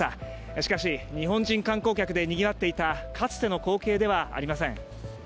しかし、日本人観光客でにぎわっていたかつての光景ではありません。